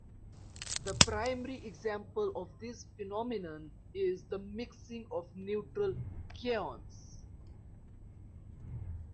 The primary example of this phenomenon is the mixing of neutral kaons.